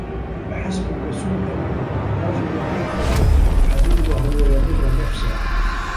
فَحَسْبُك سُوءًا رَجُلٌ يَنْفَعُ عَدُوَّهُ وَيَضُرُّ نَفْسَهُ